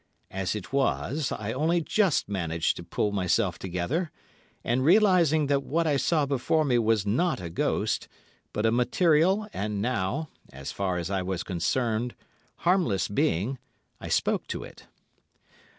As it was, I only just managed to pull myself together, and realising that what I saw before me was not a ghost, but a material and now, as far as I was concerned, harmless being, I spoke to it.